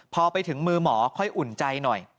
พอไปถึงมือหมอค่อยอุ่นใจหน่อย